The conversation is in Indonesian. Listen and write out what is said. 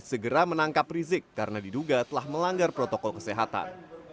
segera menangkap rizik karena diduga telah melanggar protokol kesehatan